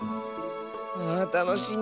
あたのしみ。